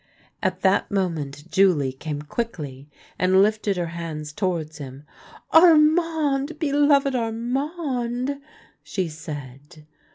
At that moment Julie came quickly, and lifted her hands towards him. " Armand — beloved Armand !" she said.